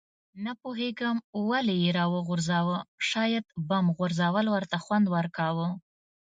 نه پوهېږم ولې یې راوغورځاوه، شاید بم غورځول ورته خوند ورکاوه.